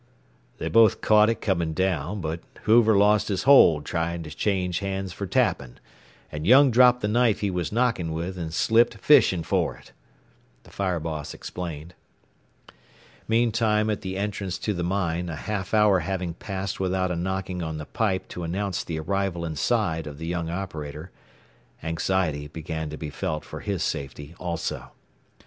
"They both caught it coming down, but Hoover lost his hold trying to change hands for tapping, and Young dropped the knife he was knocking with, and slipped fishing for it," the fire boss explained. Meantime at the entrance to the mine, a half hour having passed without a knocking on the pipe to announce the arrival inside of the young operator, anxiety began to be felt for his safety also.